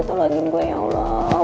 tolongin gue ya allah